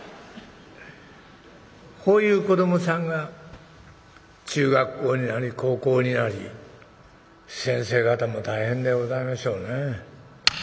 こういう子どもさんが中学校になり高校になり先生方も大変でございましょうね。